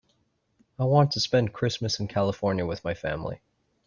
I want to spend Christmas in California with my family.